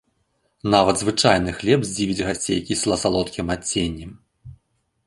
Нават звычайны хлеб здзівіць гасцей кісла-салодкім адценнем.